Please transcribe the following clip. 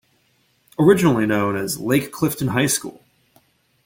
Originally known as "Lake Clifton High School".